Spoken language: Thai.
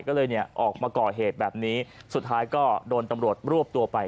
ก็เลยเนี่ยออกมาก่อเหตุแบบนี้สุดท้ายก็โดนตำรวจรวบตัวไป